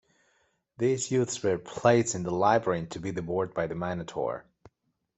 These youths were placed in the labyrinth to be devoured by the Minotaur.